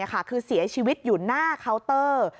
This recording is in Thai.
คือเสียชีวิตอยู่หน้าเคาน์เตอร์